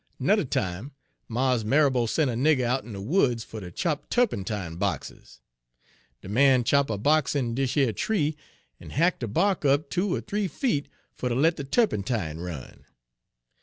"Nudder time, Mars Marrabo sent a nigger out in de woods fer ter chop tuppentime boxes. De man chop a box in dish yer tree, en hack' de bark up two er th'ee feet, fer ter let de tuppentime run.